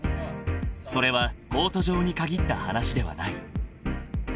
［それはコート上に限った話ではない］